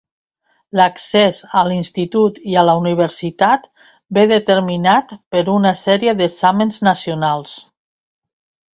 L'accés a l'institut i a la universitat ve determinat per una sèrie d'exàmens nacionals.